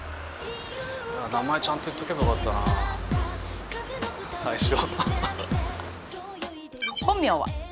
名前ちゃんと言っとけばよかったな最初。